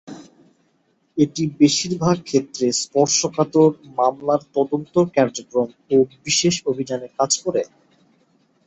এটি বেশিরভাগ ক্ষেত্রে স্পর্শকাতর মামলার তদন্ত কার্যক্রম ও বিশেষ অভিযানে কাজ করে।